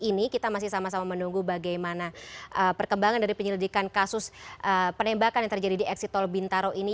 ini kita masih sama sama menunggu bagaimana perkembangan dari penyelidikan kasus penembakan yang terjadi di eksit tol bintaro ini